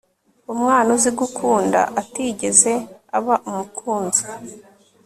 Umwana uzi gukunda atigeze aba umukunzi